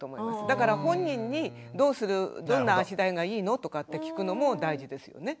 だから本人に「どうする？どんな足台がいいの？」とかって聞くのも大事ですよね。